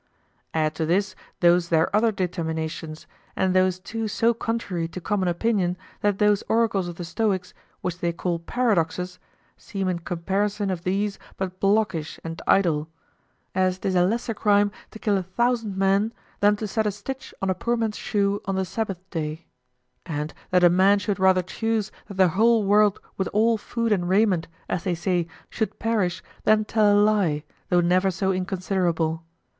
Add to this those their other determinations, and those too so contrary to common opinion that those oracles of the Stoics, which they call paradoxes, seem in comparison of these but blockish and idle as 'tis a lesser crime to kill a thousand men than to set a stitch on a poor man's shoe on the Sabbath day; and that a man should rather choose that the whole world with all food and raiment, as they say, should perish, than tell a lie, though never so inconsiderable.